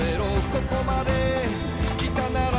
「ここまで来たなら」